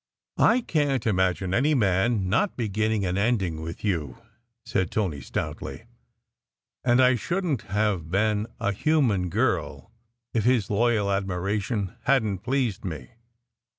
"I can t imagine any man not beginning and ending with you," said Tony stoutly, and I shouldn t have been a human girl if his loyal admiration hadn t pleased me.